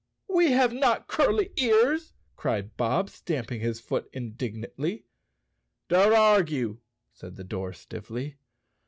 "We have not curly ears," cried Bob, stamping his foot indignantly. "Don't argue," said the door stiffly.